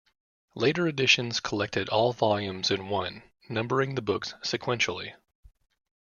Later editions collected all volumes in one, numbering the books sequentially.